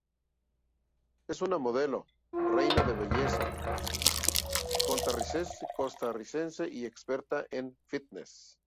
Es una modelo, reina de belleza costarricense y experta en fitness.